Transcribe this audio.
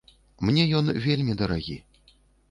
Мне ён вельмі дарагі.